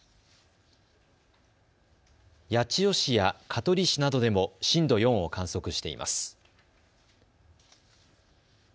八千代市や香取市などでも震度４を観測しています。